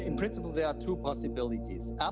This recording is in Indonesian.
dalam prinsip ada dua kemungkinan